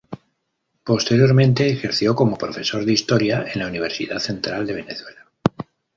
Posteriormente ejerció como profesor de Historia en la Universidad Central de Venezuela.